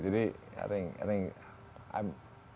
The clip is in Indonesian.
jadi i think i'm